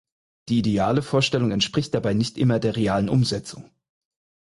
Die ideale Vorstellung entspricht dabei nicht immer der realen Umsetzung.